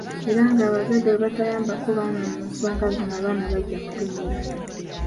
Era ng'abazadde bwe batayambako baana mu nsonga zino, abaana bajja kutomera.